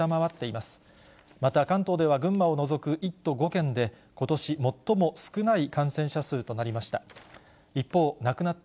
また関東では群馬を除く１都５県でことし最も少ない感染者数となりました。